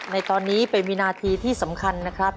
ในตอนนี้เป็นวินาทีที่สำคัญนะครับ